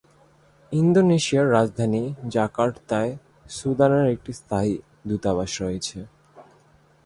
ইন্দোনেশিয়ার রাজধানী জাকার্তায় সুদানের একটি স্থায়ী দূতাবাস রয়েছে।